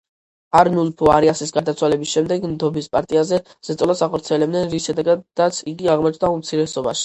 არნულფო არიასის გარდაცვალების შემდეგ ნდობის პარტიაზე ზეწოლას ახორციელებდნენ, რის შედეგადაც იგი აღმოჩნდა უმცირესობაში.